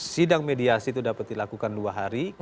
sidang mediasi itu dapat dilakukan dua hari